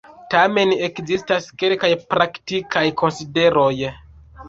Tamen ekzistas kelkaj praktikaj konsideroj.